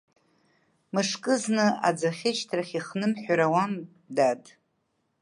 Мышкызны, аӡы ахьышьҭрахь ихнымҳәыр ауам, дад.